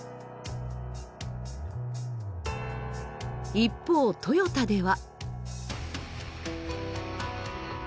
一方トヨタでは。